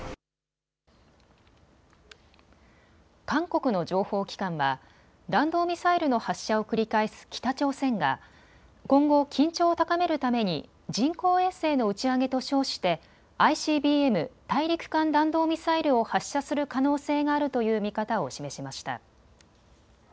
韓国の情報機関は弾道ミサイルの発射を繰り返す北朝鮮が今後、緊張を高めるために人工衛星の打ち上げと称してＩＣＢＭ・大陸間弾道ミサイルを発射する可能性があるという見方を示しました。